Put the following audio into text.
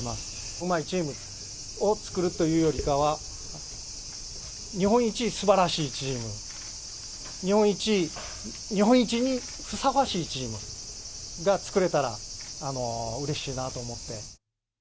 うまいチームを作るというよりかは、日本一すばらしいチーム、日本一にふさわしいチームが作れたらうれしいなと思って。